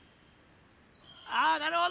あなるほど！